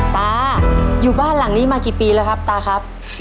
ตาอยู่บ้านหลังนี้มากี่ปีแล้วครับตาครับ